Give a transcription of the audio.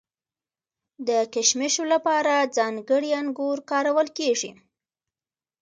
د کشمشو لپاره ځانګړي انګور کارول کیږي.